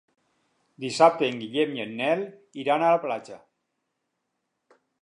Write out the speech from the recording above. Dissabte en Guillem i en Nel iran a la platja.